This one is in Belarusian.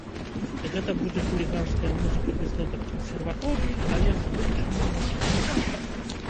Гэта будзе хуліганская музыка без нотак кансерваторыі, але з вулічнымі матывамі.